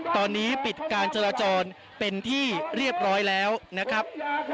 ตอนนี้ปิดการจราจรเป็นที่เรียบร้อยแล้วนะครับ